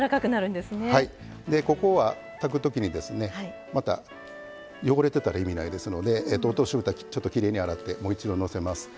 ここは、炊くときに、汚れてたら意味ないですので落としぶた、きれいに洗ってもう一度のせます。